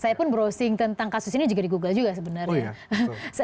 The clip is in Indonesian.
saya pun browsing tentang kasus ini juga di google juga sebenarnya